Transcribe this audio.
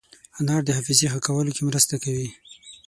انار د حافظې ښه کولو کې مرسته کوي.